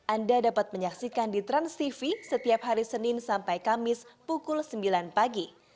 anda dapat menyaksikan di transtv setiap hari senin sampai kamis pukul sembilan pagi